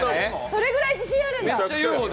それぐらい自信あるんだ！